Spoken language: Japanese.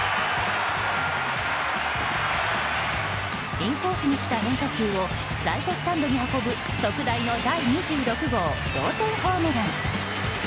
インコースに来た変化球をライトスタンドに運ぶ特大の第２６号同点ホームラン。